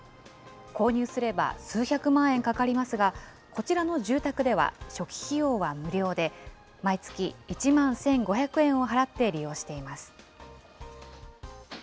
購入すれば、数百万円かかりますが、こちらの住宅では初期費用は無料で、毎月１万１５００円を払って利用しています。